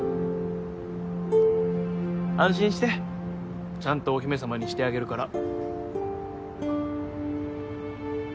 安心してちゃんとお姫様にしてあげるから。